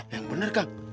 yang bener kang